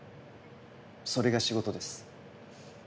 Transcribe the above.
それが仕事です。